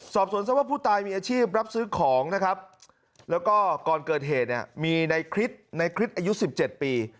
สอบสนว่าผู้ตายมีอาชีพรับซื้อของก่อนเกิดเหตุคลิตในป่าห์อายุ๑๗ปี